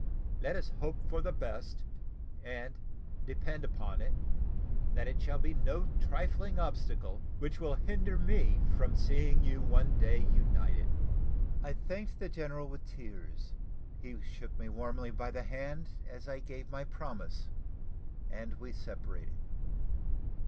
Let us hope for the best, and, depend upon it, that it shall be no trifling obstacle which will hinder me from seeing you one day united." I thanked the general with tears: he shook me warmly by the hand as I gave my promise, and we separated.